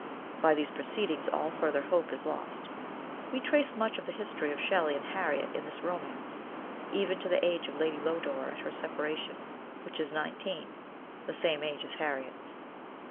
By these proceedings all further hope is lost. We trace much of the history of Shelley and Harriet in this romance, even to the age of Lady Lodore at her separation, which is nineteen, the same age as Harriet's.